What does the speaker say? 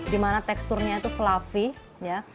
dimana teksturnya itu fluffy